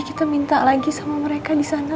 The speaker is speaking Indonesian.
kita minta lagi sama mereka di sana